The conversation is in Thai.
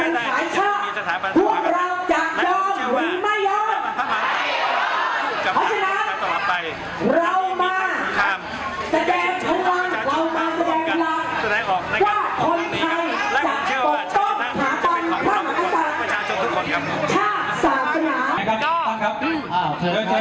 แสดงว่าคนไทยก็จะต้องหาปัญหามงานศาสตร์คนทุกคน